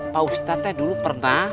pak ustadznya dulu pernah